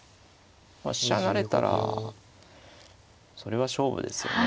まあ飛車成れたらそれは勝負ですよね。